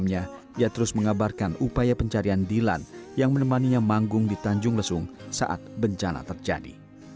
ia terus mengabarkan upaya pencarian dilan yang menemaninya manggung di tanjung lesung saat bencana terjadi